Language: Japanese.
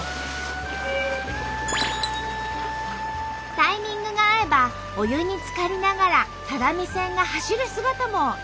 タイミングが合えばお湯につかりながら只見線が走る姿も楽しめるんだって。